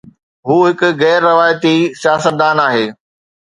هو هڪ غير روايتي سياستدان آهي.